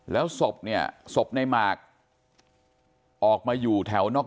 แล้วศพเนี่ยศพในหมากออกมาอยู่แถวนอก